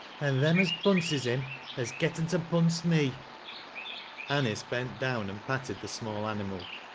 " An' them as pdnses him has getten to punse me." Anice tent down and patted the small animal.